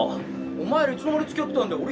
お前らいつの間につきあってたんだよ。